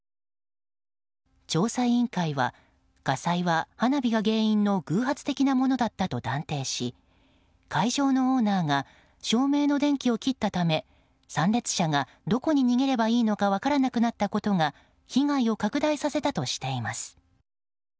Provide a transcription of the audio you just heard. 調査委員会は火災は花火が原因の偶発的なものだったと断定し会場のオーナーが照明の電気を切ったため参列者がどこに逃げればいいのか分からなくなったことが被害を拡大させたとしています。